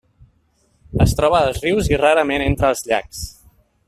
Es troba als rius i rarament entra als llacs.